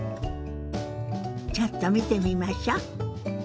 ちょっと見てみましょ。